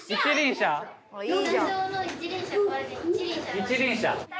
一輪車？